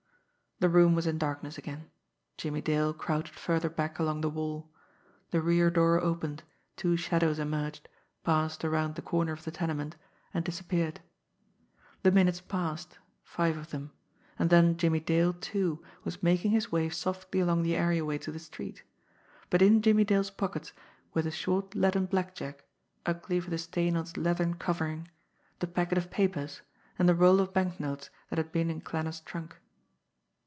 The room was in darkness again. Jimmie Dale crouched further back along the wall. The rear door opened, two shadows emerged, passed around the corner of the tenement and disappeared. The minutes passed, five of them, and then Jimmie Dale, too, was making his way softly along the areaway to the street but in Jimmie Dale's pockets were the short leaden blackjack, ugly for the stain on its leathern covering, the packet of papers, and the roll of banknotes that had been in Klanner's trunk.